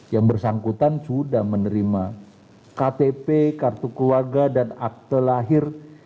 yang bersangkutan sudah menerima ktp kartu keluarga dan akte lahir